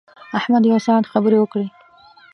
احمد یو ساعت خبرې وکړې.